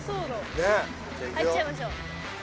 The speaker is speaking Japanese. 入っちゃいましょう。